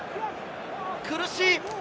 苦しい！